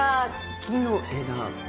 木の枝？